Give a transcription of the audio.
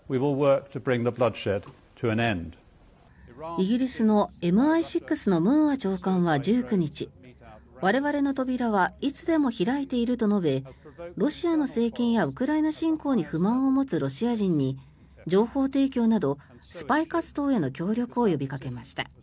イギリスのＭＩ６のムーア長官は１９日我々の扉はいつでも開いていると述べロシアの政権やウクライナ侵攻に不満を持つロシア人に情報提供などスパイ活動への協力を呼びかけました。